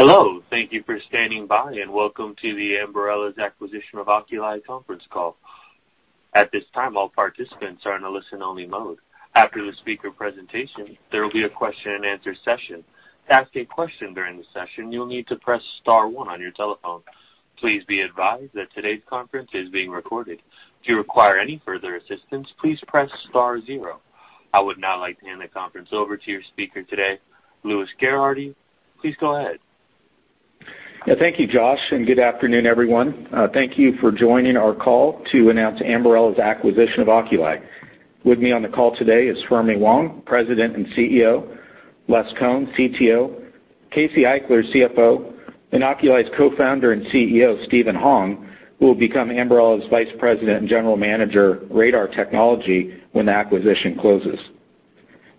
Hello. Thank you for standing by and welcome to the Ambarella's acquisition of Oculii conference call. At this time, all participants are in a listen-only mode. After the speaker presentation, there will be a question-and-answer session. To ask a question during the session, you'll need to press star one on your telephone. Please be advised that today's conference is being recorded. If you require any further assistance, please press star zero. I would now like to hand the conference over to your speaker today, Louis Gerhardy. Please go ahead. Thank you, Josh, and good afternoon, everyone. Thank you for joining our call to announce Ambarella's acquisition of Oculii. With me on the call today is Fermi Wang, President and CEO, Les Kohn, CTO, Casey Eichler, CFO, and Oculii's Co-founder and CEO, Steven Hong, who will become Ambarella's Vice President and General Manager, Radar Technology, when the acquisition closes.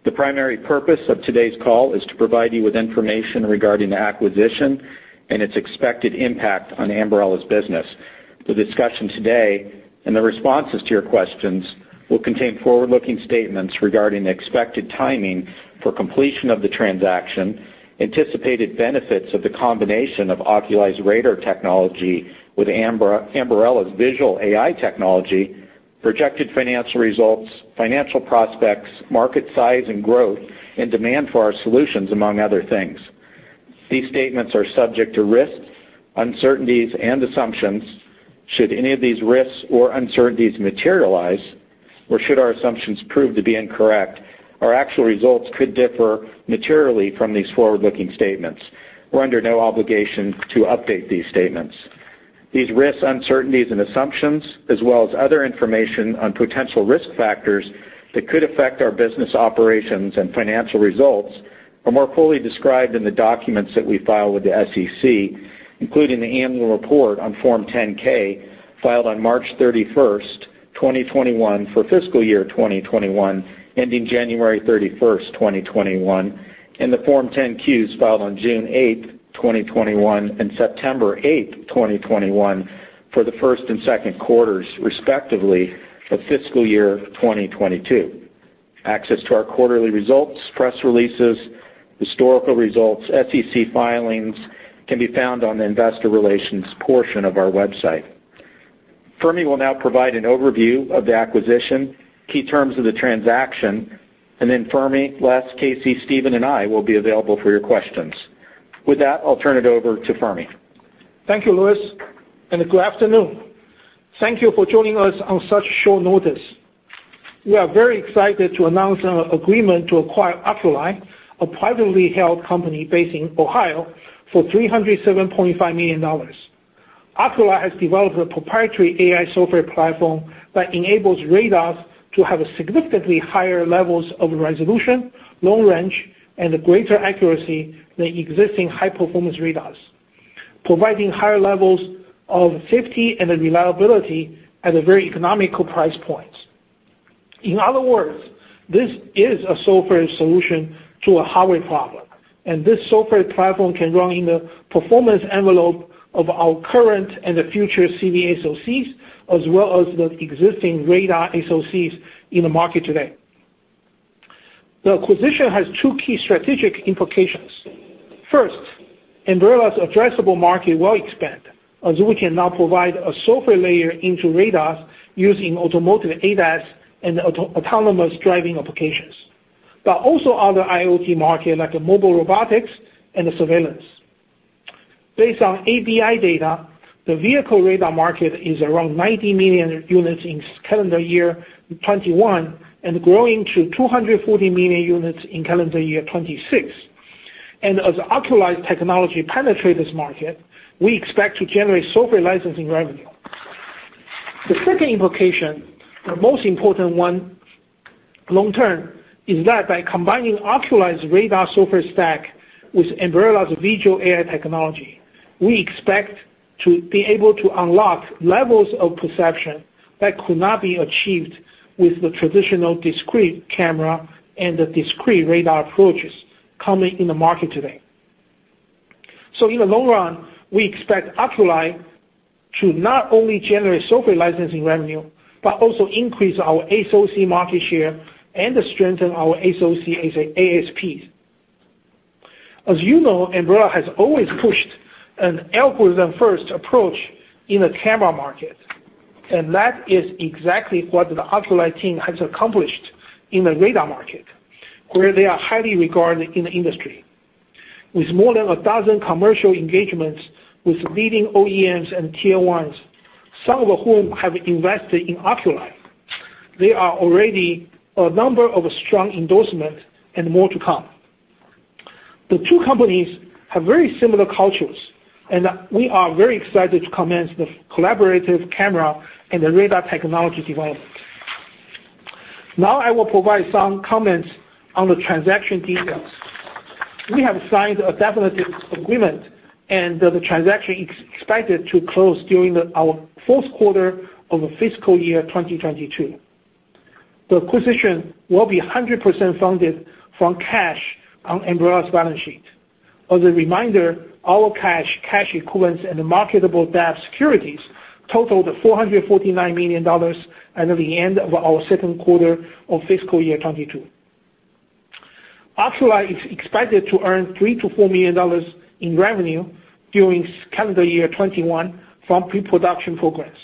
The primary purpose of today's call is to provide you with information regarding the acquisition and its expected impact on Ambarella's business. The discussion today and the responses to your questions will contain forward-looking statements regarding the expected timing for completion of the transaction, anticipated benefits of the combination of Oculii's radar technology with Ambarella's visual AI technology, projected financial results, financial prospects, market size and growth, and demand for our solutions, among other things. These statements are subject to risks, uncertainties, and assumptions. Should any of these risks or uncertainties materialize, or should our assumptions prove to be incorrect, our actual results could differ materially from these forward-looking statements. We're under no obligation to update these statements. These risks, uncertainties, and assumptions, as well as other information on potential risk factors that could affect our business operations and financial results, are more fully described in the documents that we file with the SEC, including the annual report on Form 10-K filed on March 31st, 2021, for fiscal year 2021, ending January 31st, 2021, and the Form 10-Qs filed on June 8th, 2021, and September 8th, 2021, for the first and second quarters, respectively, of fiscal year 2022. Access to our quarterly results, press releases, historical results, and SEC filings can be found on the investor relations portion of our website. Fermi will now provide an overview of the acquisition, key terms of the transaction, and then Fermi, Les, Casey, Steven, and I will be available for your questions. With that, I'll turn it over to Fermi. Thank you, Louis, and good afternoon. Thank you for joining us on such short notice. We are very excited to announce our agreement to acquire Oculii, a privately held company based in Ohio, for $307.5 million. Oculii has developed a proprietary AI software platform that enables radars to have significantly higher levels of resolution, long range, and greater accuracy than existing high-performance radars, providing higher levels of safety and reliability at a very economical price point. In other words, this is a software solution to a hardware problem, and this software platform can run in the performance envelope of our current and future CV SoCs, as well as the existing radar SoCs in the market today. The acquisition has two key strategic implications. First, Ambarella's addressable market will expand, as we can now provide a software layer into radars using automotive ADAS and autonomous driving applications, but also other IoT markets like mobile robotics and surveillance. Based on ABI data, the vehicle radar market is around 90 million units in calendar year 2021 and growing to 240 million units in calendar year 2026. And as Oculii technology penetrates this market, we expect to generate software licensing revenue. The second implication, the most important one long-term, is that by combining Oculii's radar software stack with Ambarella's visual AI technology, we expect to be able to unlock levels of perception that could not be achieved with the traditional discrete camera and the discrete radar approaches coming in the market today. So in the long run, we expect Oculii to not only generate software licensing revenue, but also increase our SoC market share and strengthen our SoC ASPs. As you know, Ambarella has always pushed an algorithm-first approach in the camera market, and that is exactly what the Oculii team has accomplished in the radar market, where they are highly regarded in the industry. With more than a dozen commercial engagements with leading OEMs and Tier 1s, some of whom have invested in Oculii, there are already a number of strong endorsements and more to come. The two companies have very similar cultures, and we are very excited to commence the collaborative camera and radar technology development. Now I will provide some comments on the transaction details. We have signed a definitive agreement, and the transaction is expected to close during our fourth quarter of fiscal year 2022. The acquisition will be 100% funded from cash on Ambarella's balance sheet. As a reminder, our cash, cash equivalents, and marketable debt securities totaled $449 million at the end of our second quarter of fiscal year 2022. Oculii is expected to earn $3 million-$4 million in revenue during calendar year 2021 from pre-production programs.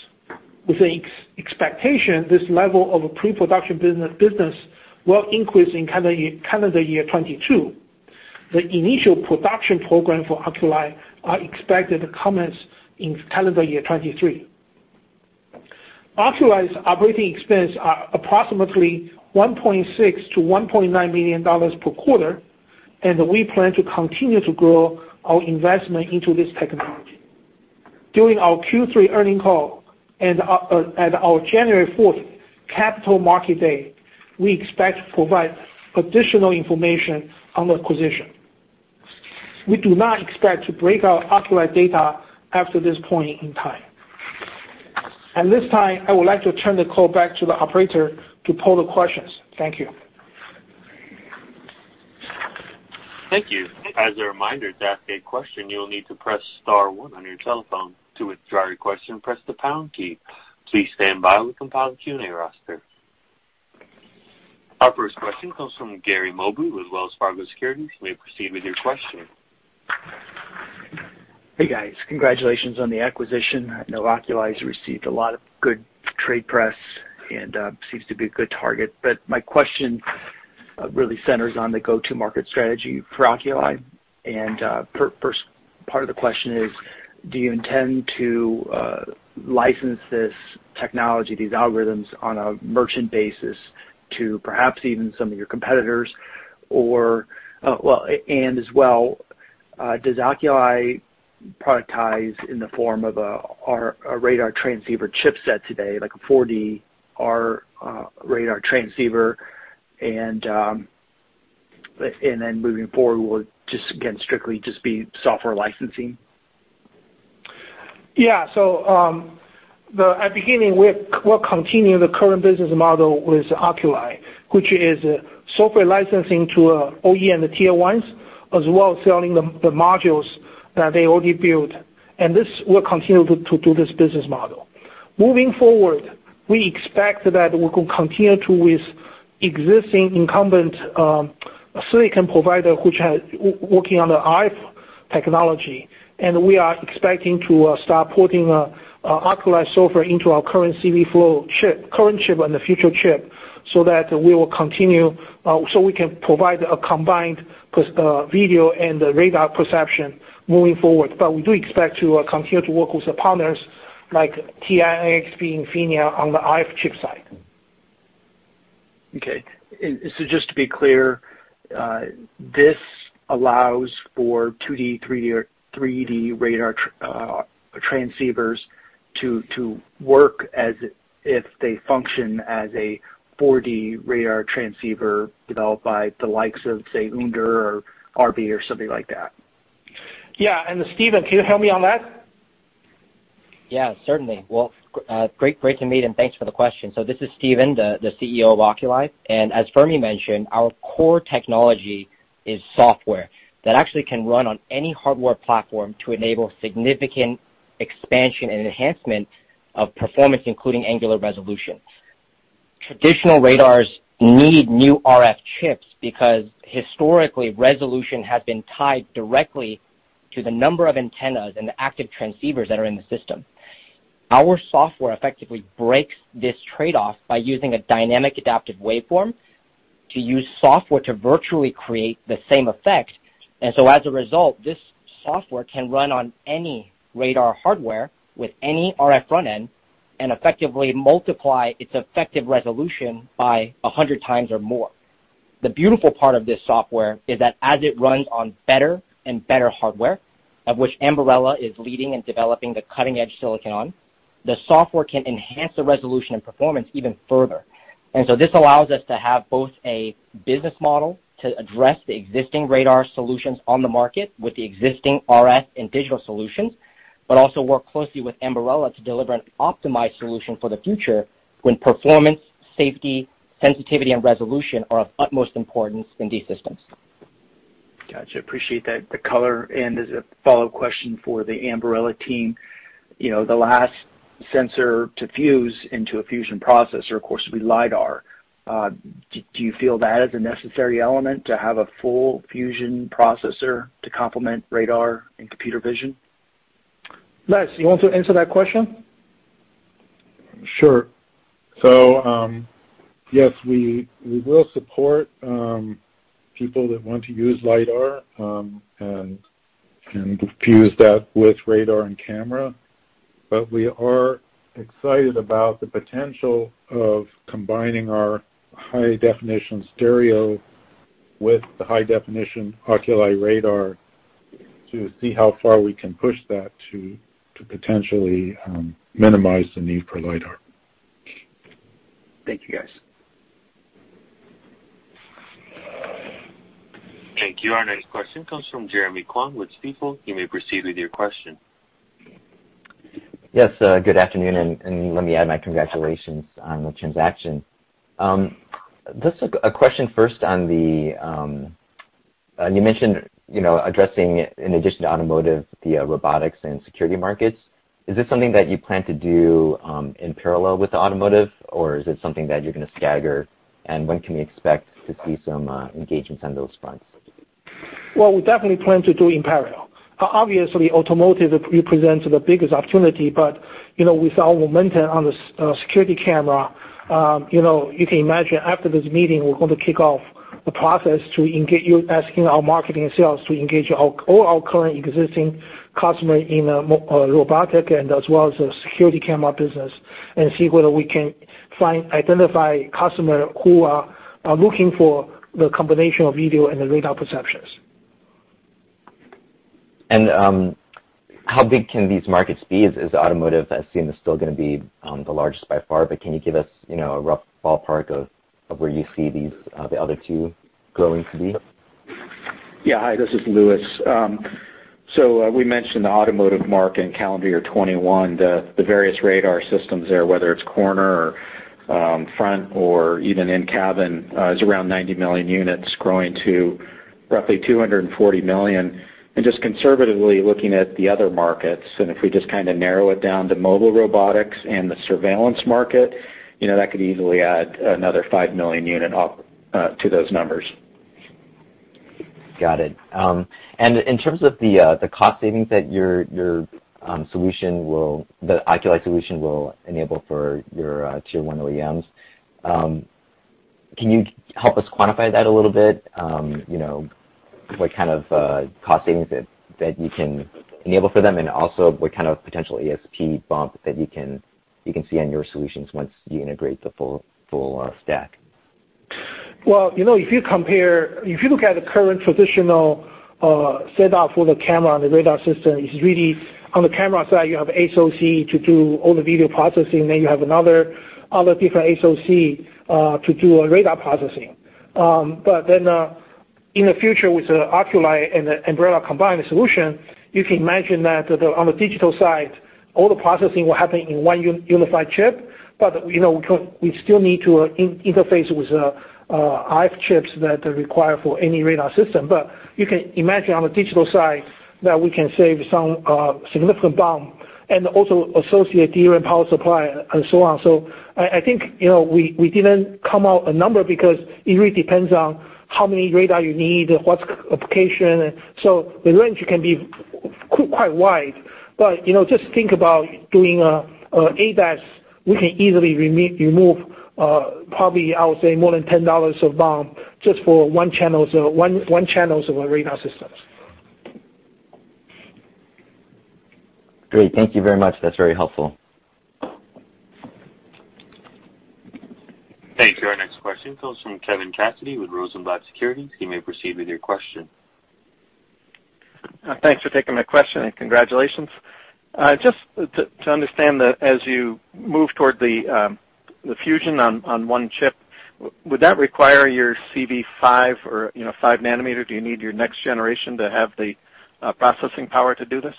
With the expectation this level of pre-production business will increase in calendar year 2022, the initial production programs for Oculii are expected to commence in calendar year 2023. Oculii's operating expenses are approximately $1.6 million-$1.9 million per quarter, and we plan to continue to grow our investment into this technology. During our Q3 earnings call and at our January 4th Capital Markets Day, we expect to provide additional information on the acquisition. We do not expect to break out Oculii data after this point in time. At this time, I would like to turn the call back to the Operator to poll the questions. Thank you. Thank you. As a reminder to ask a question, you'll need to press star one on your telephone. To withdraw your question, press the pound key. Please stand by while we compile the Q&A roster. Our first question comes from Gary Mobley of Wells Fargo Securities. May I proceed with your question? Hey, guys. Congratulations on the acquisition. I know Oculii has received a lot of good trade press and seems to be a good target, but my question really centers on the go-to-market strategy for Oculii. And the first part of the question is, do you intend to license this technology, these algorithms, on a merchant basis to perhaps even some of your competitors? And as well, does Oculii productize in the form of a radar transceiver chipset today, like a 4D radar transceiver? And then moving forward, will it just, again, strictly just be software licensing? Yeah. So at the beginning, we'll continue the current business model with Oculii, which is software licensing to OEM Tier 1s, as well as selling the modules that they already built. And this will continue to do this business model. Moving forward, we expect that we can continue with existing incumbent silicon provider, which is working on the RF technology. And we are expecting to start porting Oculii software into our current CVflow chip, current chip, and the future chip, so that we will continue so we can provide a combined video and radar perception moving forward. But we do expect to continue to work with the partners like TI, NXP, Infineon on the RF chip side. Okay. So just to be clear, this allows for 2D, 3D radar transceivers to work as if they function as a 4D radar transceiver developed by the likes of, say, Uhnder or Arbe or something like that. Yeah. Steven, can you help me on that? Yeah, certainly. Well, great to meet and thanks for the question. So this is Steven Hong, the CEO of Oculii. And as Fermi mentioned, our core technology is software that actually can run on any hardware platform to enable significant expansion and enhancement of performance, including angular resolution. Traditional radars need new RF chips because historically, resolution has been tied directly to the number of antennas and the active transceivers that are in the system. Our software effectively breaks this trade-off by using a dynamic adaptive waveform to use software to virtually create the same effect. And so as a result, this software can run on any radar hardware with any RF front-end and effectively multiply its effective resolution by 100x or more. The beautiful part of this software is that as it runs on better and better hardware, of which Ambarella is leading and developing the cutting-edge silicon on, the software can enhance the resolution and performance even further. And so this allows us to have both a business model to address the existing radar solutions on the market with the existing RF and digital solutions, but also work closely with Ambarella to deliver an optimized solution for the future when performance, safety, sensitivity, and resolution are of utmost importance in these systems. Gotcha. Appreciate that. The caller and as a follow-up question for the Ambarella team, the last sensor to fuse into a fusion processor, of course, would be LiDAR. Do you feel that is a necessary element to have a full fusion processor to complement radar and computer vision? Les, you want to answer that question? Sure. So yes, we will support people that want to use LiDAR and fuse that with radar and camera. But we are excited about the potential of combining our high-definition stereo with the high-definition Oculii radar to see how far we can push that to potentially minimize the need for LiDAR. Thank you, guys. Thank you. Our next question comes from Jeremy Kwan with Stifel. You may proceed with your question. Yes. Good afternoon. And let me add my congratulations on the transaction. Just a question first on the, you mentioned addressing, in addition to automotive, the robotics and security markets. Is this something that you plan to do in parallel with automotive, or is it something that you're going to stagger? And when can we expect to see some engagements on those fronts? We definitely plan to do it in parallel. Obviously, automotive represents the biggest opportunity, but with our momentum on the security camera, you can imagine after this meeting, we're going to kick off the process to ask our marketing and sales to engage all our current existing customers in robotics and as well as the security camera business and see whether we can identify customers who are looking for the combination of video and the radar perceptions. How big can these markets be? Is automotive, as seen, still going to be the largest by far, but can you give us a rough ballpark of where you see the other two growing to be? Yeah. Hi, this is Louis. So we mentioned the automotive market in calendar year 2021. The various radar systems there, whether it's corner or front or even in cabin, is around 90 million units growing to roughly 240 million. And just conservatively looking at the other markets, and if we just kind of narrow it down to mobile robotics and the surveillance market, that could easily add another 5 million units to those numbers. Got it. And in terms of the cost savings that your solution, the Oculii solution, will enable for your Tier 1 OEMs, can you help us quantify that a little bit? What kind of cost savings that you can enable for them, and also what kind of potential ASP BOM that you can see on your solutions once you integrate the full stack? If you compare, if you look at the current traditional setup for the camera and the radar system, it's really on the camera side. You have an SoC to do all the video processing, then you have other different SoCs to do radar processing. But then in the future, with the Oculii and the Ambarella combined solution, you can imagine that on the digital side, all the processing will happen in one unified chip, but we still need to interface with the RF chips that are required for any radar system. But you can imagine on the digital side that we can save some significant BOM and also associate different power supplies and so on. So I think we didn't come out a number because it really depends on how many radars you need, what's the application. So the range can be quite wide. But just think about doing an ADAS, we can easily remove probably, I would say, more than $10 of BOM just for one channel of radar systems. Great. Thank you very much. That's very helpful. Thank you. Our next question comes from Kevin Cassidy with Rosenblatt Securities. You may proceed with your question. Thanks for taking my question and congratulations. Just to understand that as you move toward the fusion on one chip, would that require your CV5 or 5 nanometer? Do you need your next generation to have the processing power to do this?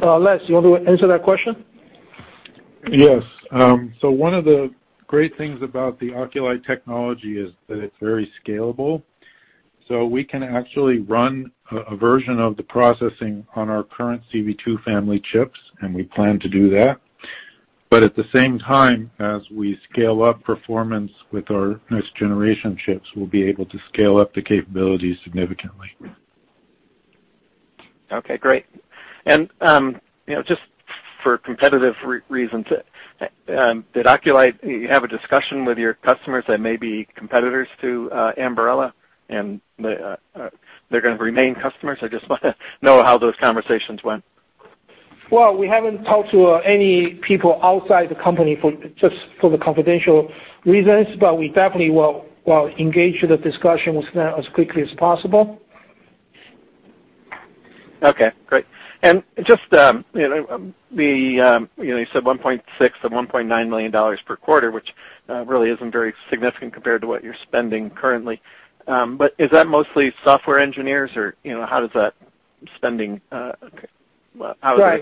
Les, you want to answer that question? Yes. So one of the great things about the Oculii technology is that it's very scalable. So we can actually run a version of the processing on our current CV2 family chips, and we plan to do that. But at the same time, as we scale up performance with our next generation chips, we'll be able to scale up the capabilities significantly. Okay. Great. And just for competitive reasons, did Oculii have a discussion with your customers that may be competitors to Ambarella, and they're going to remain customers? I just want to know how those conversations went. We haven't talked to any people outside the company just for the confidential reasons, but we definitely will engage in the discussion with them as quickly as possible. Okay. Great. And just, you said $1.6 million-$1.9 million per quarter, which really isn't very significant compared to what you're spending currently. But is that mostly software engineers, or how does that spending? Yeah.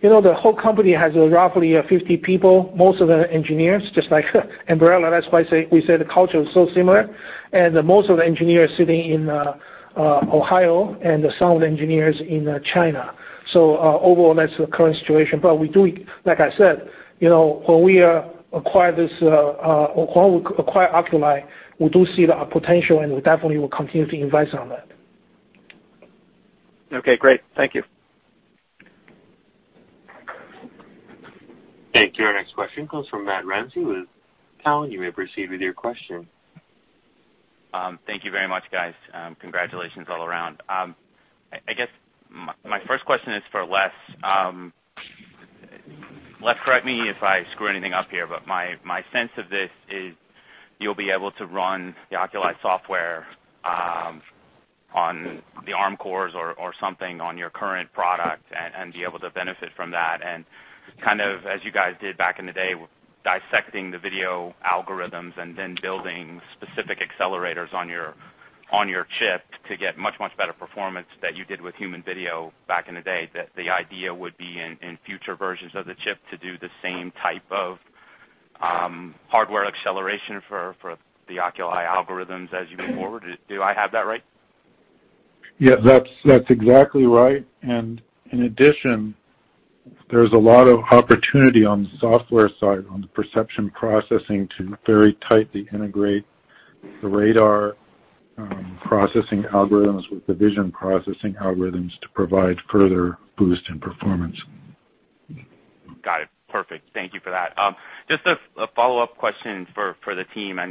So the whole company has roughly 50 people, most of them engineers, just like Ambarella. That's why we said the culture is so similar. And most of the engineers are sitting in Ohio and some of the engineers in China. So overall, that's the current situation. But like I said, when we acquire Oculii, we do see the potential, and we definitely will continue to invest on that. Okay. Great. Thank you. Thank you. Our next question comes from Matt Ramsay with Cowen. You may proceed with your question. Thank you very much, guys. Congratulations all around. I guess my first question is for Les. Les, correct me if I screw anything up here, but my sense of this is you'll be able to run the Oculii software on the Arm cores or something on your current product and be able to benefit from that, and kind of as you guys did back in the day with dissecting the video algorithms and then building specific accelerators on your chip to get much, much better performance that you did with human video back in the day, the idea would be in future versions of the chip to do the same type of hardware acceleration for the Oculii algorithms as you move forward. Do I have that right? Yeah. That's exactly right. And in addition, there's a lot of opportunity on the software side, on the perception processing, to very tightly integrate the radar processing algorithms with the vision processing algorithms to provide further boost in performance. Got it. Perfect. Thank you for that. Just a follow-up question for the team. I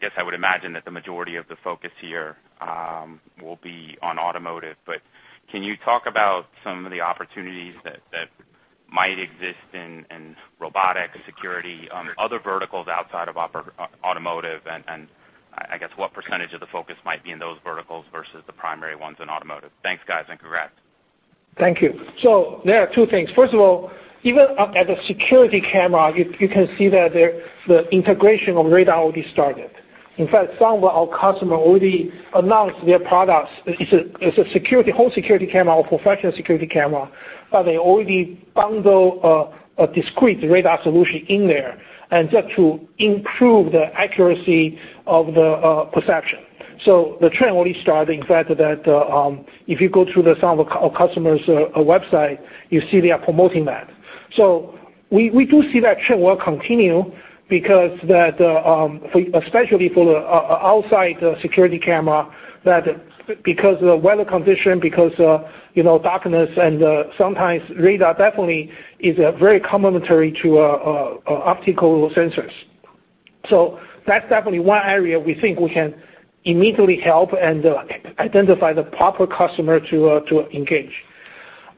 guess I would imagine that the majority of the focus here will be on automotive, but can you talk about some of the opportunities that might exist in robotics, security, other verticals outside of automotive, and I guess what percentage of the focus might be in those verticals versus the primary ones in automotive? Thanks, guys, and congrats. Thank you. So there are two things. First of all, even at the security camera, you can see that the integration of radar already started. In fact, some of our customers already announced their products. It's a whole security camera or professional security camera, but they already bundle a discrete radar solution in there just to improve the accuracy of the perception. So the trend already started. In fact, if you go to some of our customers' website, you see they are promoting that. So we do see that trend will continue because especially for the outside security camera, because of the weather condition, because of darkness, and sometimes radar definitely is very complementary to optical sensors. So that's definitely one area we think we can immediately help and identify the proper customer to engage.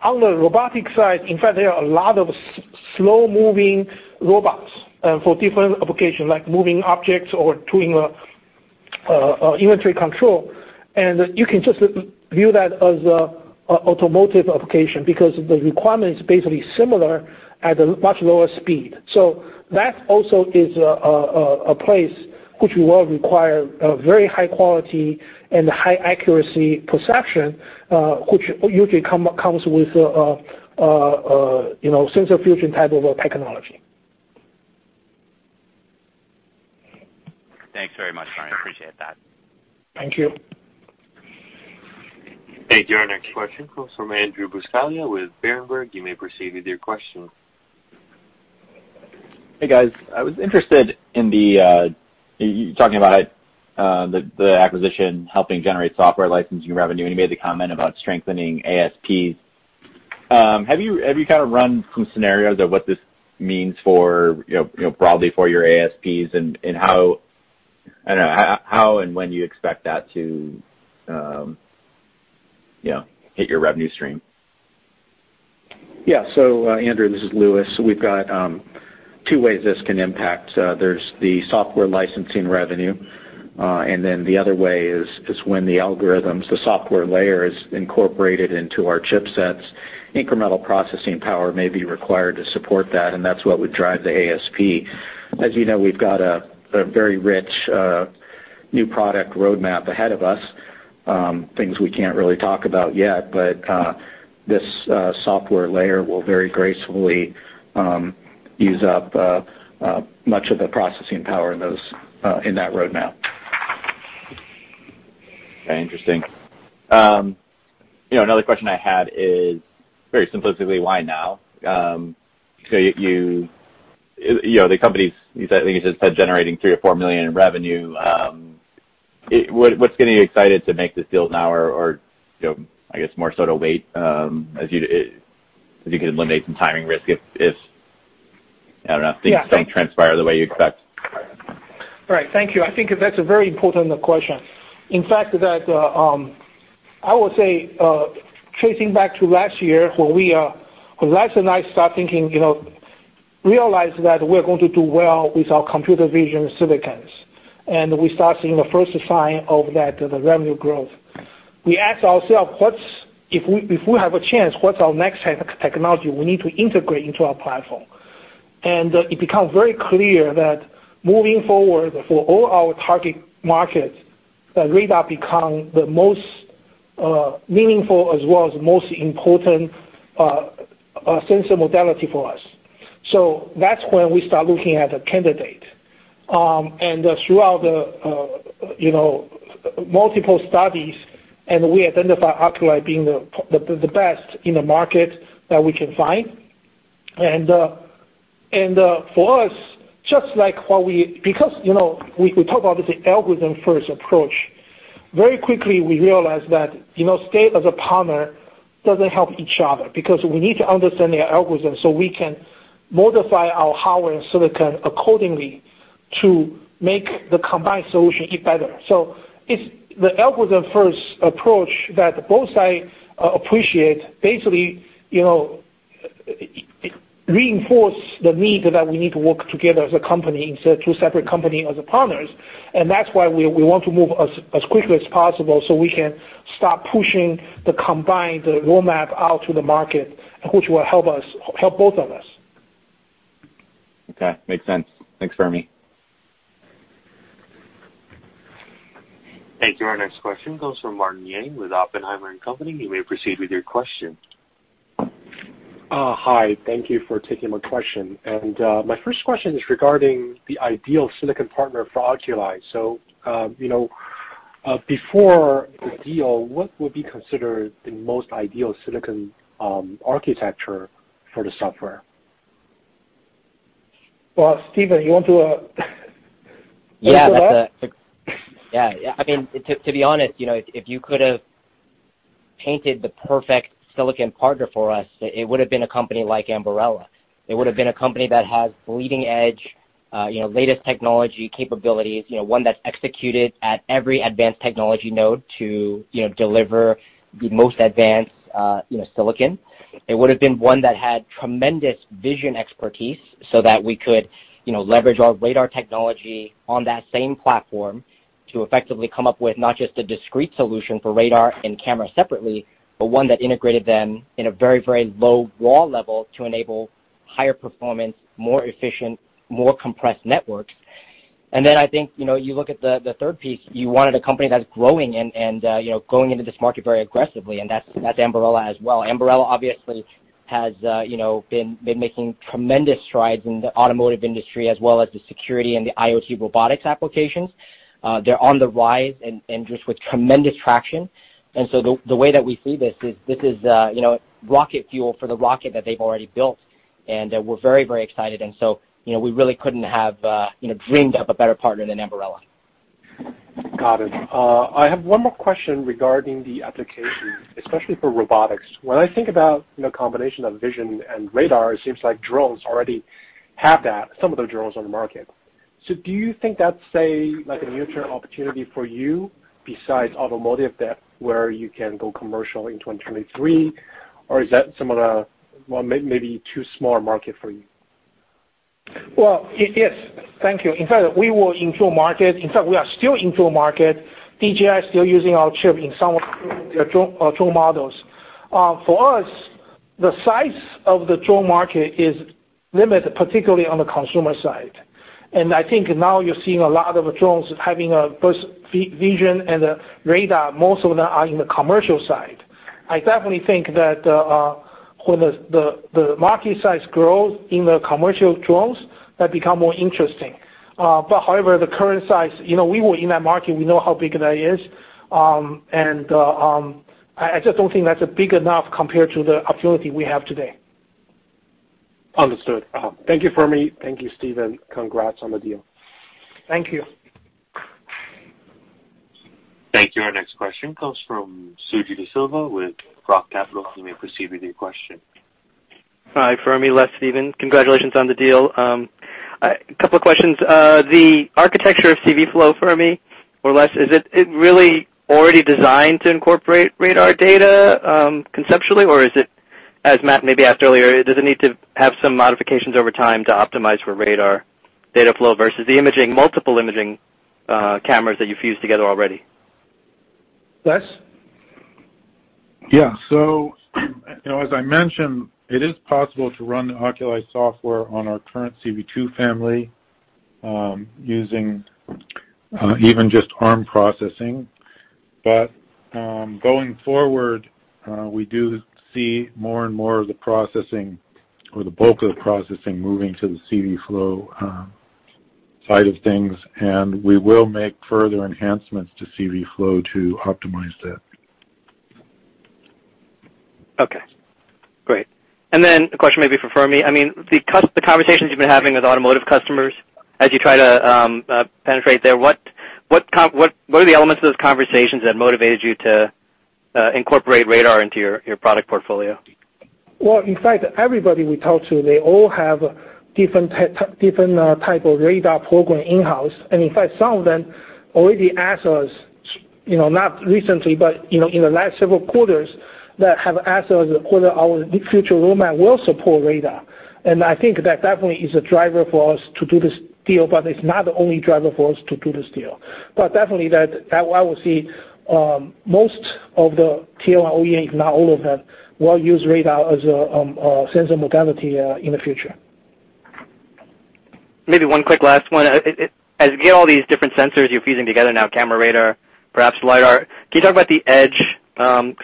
On the robotics side, in fact, there are a lot of slow-moving robots for different applications, like moving objects or doing inventory control, and you can just view that as an automotive application because the requirement is basically similar at a much lower speed, so that also is a place which will require very high quality and high accuracy perception, which usually comes with sensor fusion type of technology. Thanks very much, Fermi. Appreciate that. Thank you. Thank you. Our next question comes from Andrew Buscaglia with Berenberg. You may proceed with your question. Hey, guys. I was interested in you talking about the acquisition helping generate software licensing revenue, and you made the comment about strengthening ASPs. Have you kind of run some scenarios of what this means broadly for your ASPs and how, I don't know, how and when you expect that to hit your revenue stream? Yeah. So, Andrew, this is Louis. We've got two ways this can impact. There's the software licensing revenue, and then the other way is when the algorithms, the software layer, is incorporated into our chipsets, incremental processing power may be required to support that, and that's what would drive the ASP. As you know, we've got a very rich new product roadmap ahead of us, things we can't really talk about yet, but this software layer will very gracefully use up much of the processing power in that roadmap. Interesting. Another question I had is very simplistically, why now? The companies, you said, I think you just said, generating $3 million-$4 million in revenue. What's getting you excited to make this deal now or, I guess, more so to wait as you could eliminate some timing risk if, I don't know, things don't transpire the way you expect? Right. Thank you. I think that's a very important question. In fact, I would say tracing back to last year when Les and I started thinking, realized that we're going to do well with our computer vision silicons, and we started seeing the first sign of the revenue growth. We asked ourselves, if we have a chance, what's our next technology we need to integrate into our platform? And it became very clear that moving forward for all our target markets, radar becomes the most meaningful as well as the most important sensor modality for us. So that's when we start looking at a candidate. And throughout multiple studies, we identified Oculii being the best in the market that we can find. And for us, just like how we, because we talk about the algorithm-first approach, very quickly we realized that staying as a partner doesn't help each other because we need to understand the algorithm so we can modify our hardware and silicon accordingly to make the combined solution better. So it's the algorithm-first approach that both sides appreciate, basically reinforces the need that we need to work together as a company instead of two separate companies as partners. And that's why we want to move as quickly as possible so we can start pushing the combined roadmap out to the market, which will help both of us. Okay. Makes sense. Thanks, Fermi. Thank you. Our next question comes from Martin Yang with Oppenheimer & Co. You may proceed with your question. Hi. Thank you for taking my question. And my first question is regarding the ideal silicon partner for Oculii. So before the deal, what would be considered the most ideal silicon architecture for the software? Well, Steven, you want to answer that? Yeah. I mean, to be honest, if you could have painted the perfect silicon partner for us, it would have been a company like Ambarella. It would have been a company that has bleeding-edge, latest technology capabilities, one that's executed at every advanced technology node to deliver the most advanced silicon. It would have been one that had tremendous vision expertise so that we could leverage our radar technology on that same platform to effectively come up with not just a discrete solution for radar and camera separately, but one that integrated them in a very, very low raw level to enable higher performance, more efficient, more compressed networks. And then I think you look at the third piece, you wanted a company that's growing and going into this market very aggressively, and that's Ambarella as well. Ambarella obviously has been making tremendous strides in the automotive industry as well as the security and the IoT robotics applications. They're on the rise and just with tremendous traction. And so the way that we see this is this is rocket fuel for the rocket that they've already built, and we're very, very excited. And so we really couldn't have dreamed up a better partner than Ambarella. Got it. I have one more question regarding the application, especially for robotics. When I think about a combination of vision and radar, it seems like drones already have that, some of the drones on the market. So do you think that's a near-term opportunity for you besides automotive where you can go commercial in 2023, or is that some of the maybe too small market for you? Well, yes. Thank you. In fact, we were in drone market. In fact, we are still in drone market. DJI is still using our chip in some of the drone models. For us, the size of the drone market is limited, particularly on the consumer side. And I think now you're seeing a lot of drones having both vision and radar. Most of them are in the commercial side. I definitely think that when the market size grows in the commercial drones, that becomes more interesting. But however, the current size, we were in that market. We know how big that is. And I just don't think that's big enough compared to the opportunity we have today. Understood. Thank you, Fermi. Thank you, Steven. Congrats on the deal. Thank you. Thank you. Our next question comes from Suji DeSilva with Roth Capital. You may proceed with your question. Hi, Fermi. Les, Steven. Congratulations on the deal. A couple of questions. The architecture of CVflow, Fermi or Les, is it really already designed to incorporate radar data conceptually, or is it, as Matt maybe asked earlier, does it need to have some modifications over time to optimize for radar data flow versus the multiple imaging cameras that you fuse together already? Les? Yeah. So as I mentioned, it is possible to run the Oculii software on our current CV2 family using even just Arm processing. But going forward, we do see more and more of the processing or the bulk of the processing moving to the CVflow side of things, and we will make further enhancements to CVflow to optimize that. Okay. Great, and then a question maybe for Fermi. I mean, the conversations you've been having with automotive customers as you try to penetrate there, what are the elements of those conversations that motivated you to incorporate radar into your product portfolio? In fact, everybody we talk to, they all have different type of radar program in-house. And in fact, some of them already asked us, not recently, but in the last several quarters, that have asked us whether our future roadmap will support radar. And I think that definitely is a driver for us to do this deal, but it's not the only driver for us to do this deal. But definitely, I will see most of the Tier 1 OEM, if not all of them, will use radar as a sensor modality in the future. Maybe one quick last one. As you get all these different sensors you're fusing together now, camera radar, perhaps LiDAR, can you talk about the edge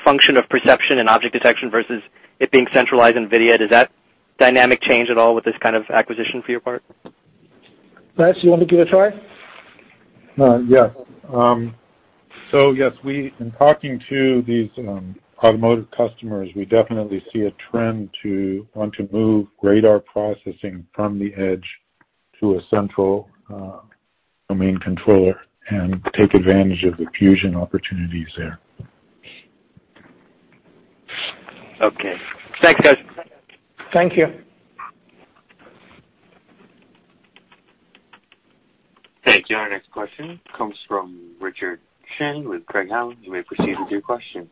function of perception and object detection versus it being centralized in NVIDIA? Does that dynamic change at all with this kind of acquisition for your part? Les, you want to give it a try? Yeah. So yes, in talking to these automotive customers, we definitely see a trend to want to move radar processing from the edge to a central domain controller and take advantage of the fusion opportunities there. Okay. Thanks, guys. Thank you. Thank you. Our next question comes from Richard Shannon with Craig-Hallum. You may proceed with your question.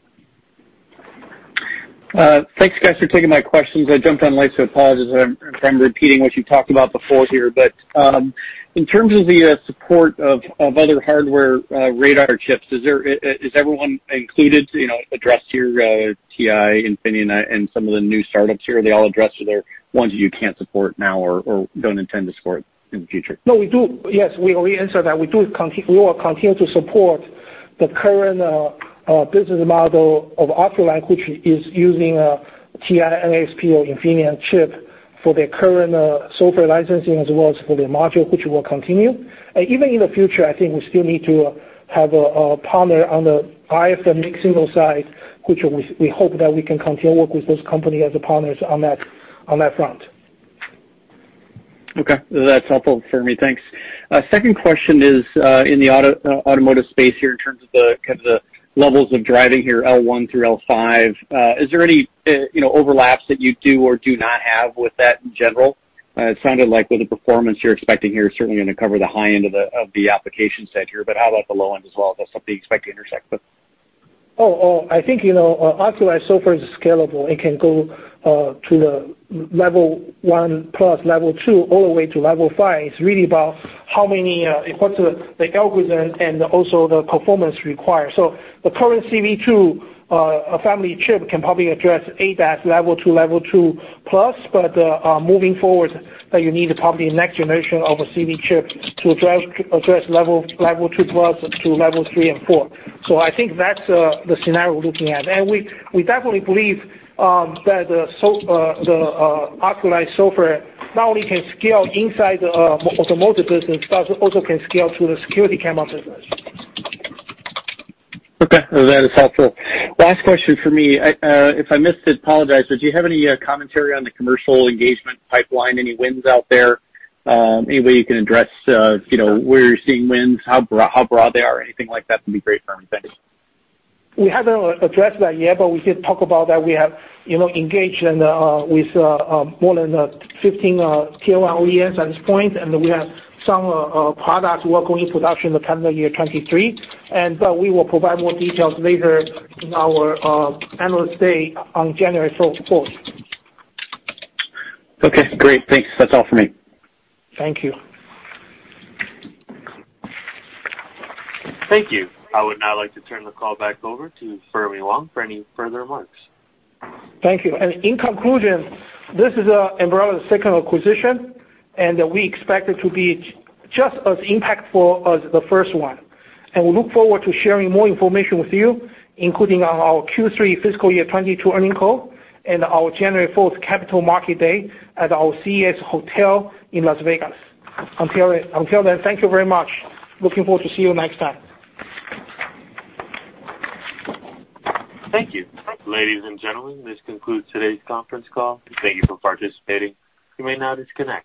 Thanks, guys, for taking my questions. I jumped on late with apologies if I'm repeating what you've talked about before here. But in terms of the support of other hardware radar chips, is everyone included? Addressed your TI, Infineon, and some of the new startups here, are they all addressed? Are there ones that you can't support now or don't intend to support in the future? No, we do. Yes, we answer that. We will continue to support the current business model of Oculii, which is using a TI, NXP, or Infineon chip for their current software licensing as well as for their module, which will continue. And even in the future, I think we still need to have a partner on the RF mixer side, which we hope that we can continue to work with those companies as partners on that front. Okay. That's helpful, Fermi. Thanks. Second question is in the automotive space here in terms of the levels of driving here, L1 through L5, is there any overlaps that you do or do not have with that in general? It sounded like with the performance you're expecting here, certainly going to cover the high end of the application set here, but how about the low end as well? Is that something you expect to intersect with? Oh, I think Oculii's software is scalable. It can go to the Level 1+, Level 2 all the way to Level 5. It's really about how the algorithm and also the performance required, so the current CV2 family chip can probably address ADAS Level 2, Level 2+, but moving forward, you need probably a next generation of a CV chip to address Level 2+ to Level 3 and 4, so I think that's the scenario we're looking at, and we definitely believe that the Oculii software not only can scale inside the automotive business, but also can scale to the security camera business. Okay. That is helpful. Last question for me. If I missed it, I apologize. But do you have any commentary on the commercial engagement pipeline? Any wins out there? Any way you can address where you're seeing wins, how broad they are? Anything like that would be great, Fermi. Thanks. We haven't addressed that yet, but we did talk about that. We have engaged with more than 15 Tier 1 OEMs at this point, and we have some products working in production in the calendar year 2023, and we will provide more details later in our Analyst Day on January 4th. Okay. Great. Thanks. That's all for me. Thank you. Thank you. I would now like to turn the call back over to Fermi Wang for any further remarks. Thank you. And in conclusion, this is Ambarella's second acquisition, and we expect it to be just as impactful as the first one. And we look forward to sharing more information with you, including our Q3 fiscal year 2022 earnings call and our January 4th Capital Markets Day at our CES hotel in Las Vegas. Until then, thank you very much. Looking forward to seeing you next time. Thank you. Ladies and gentlemen, this concludes today's conference call. Thank you for participating. You may now disconnect.